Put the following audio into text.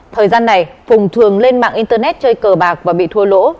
thời gian này phùng thường lên mạng internet chơi cờ bạc và bị thua lỗ